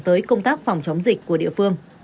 tới công tác phòng chống dịch của địa phương